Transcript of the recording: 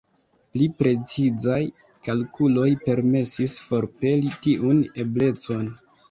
Pli precizaj kalkuloj permesis forpeli tiun eblecon.